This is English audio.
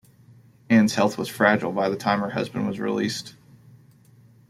Ann's health was fragile by the time her husband was released.